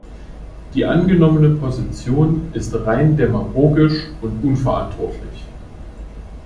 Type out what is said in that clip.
Die angenommene Position ist rein demagogisch und unverantwortlich.